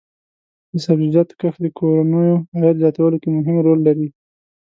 د سبزیجاتو کښت د کورنیو عاید زیاتولو کې مهم رول لري.